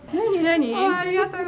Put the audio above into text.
何？